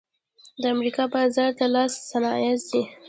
د امریکا بازار ته لاسي صنایع ځي